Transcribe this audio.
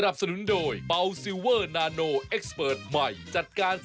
กลิ่นอาหาร